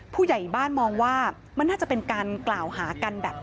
ผู้ใหญ่บ้านมองว่ามันน่าจะเป็นการกล่าวหากันแบบ